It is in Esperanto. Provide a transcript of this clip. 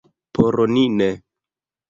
Por ni ne.